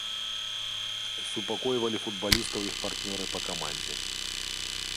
Супакойвалі футбалістаў іх партнёры па камандзе.